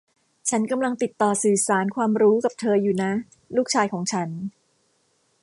ฉันกำลังติดต่อสื่อสารความรู้กับเธออยู่นะ ลูกชายของฉัน